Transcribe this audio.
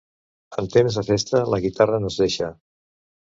En temps de festa la guitarra no es deixa.